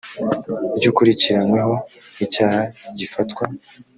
ry ukurikiranyweho icyaha gifatwa